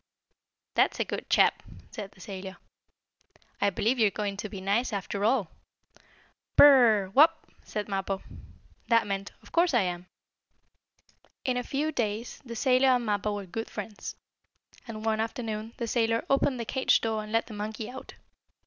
"That's a good chap!" said the sailor. "I believe you are going to be nice after all." "Bur r r r! Wopp!" said Mappo. That meant: "Of course I am!" In a few days the sailor and Mappo were good friends, and one afternoon the sailor opened the cage door and let the monkey out.